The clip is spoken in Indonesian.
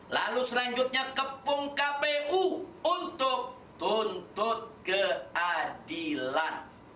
lalu selanjutnya kepung kpu untuk tuntut keadilan